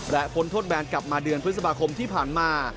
และพ้นโทษแบนกลับมาเดือนพฤษภาคมที่ผ่านมา